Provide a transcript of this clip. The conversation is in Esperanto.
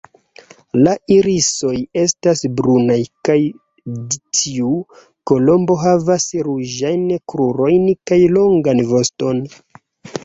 La irisoj estas brunaj kaj dtiu kolombo havas ruĝajn krurojn kaj longan voston.